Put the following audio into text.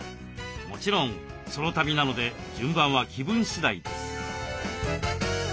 もちろんソロ旅なので順番は気分次第。